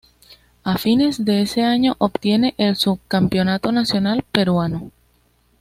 A fines de ese año obtiene el subcampeonato nacional peruano.